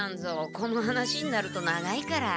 この話になると長いから。